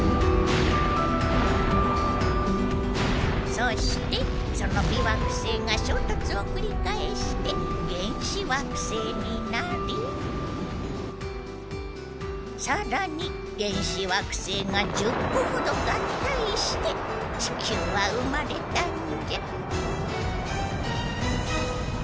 そしてその微惑星が衝突を繰り返して原始惑星になりさらに原始惑星が１０個ほど合体して地球は生まれたんじゃ。